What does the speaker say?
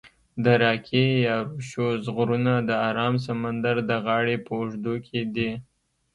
د راکي یا روشوز غرونه د آرام سمندر د غاړي په اوږدو کې دي.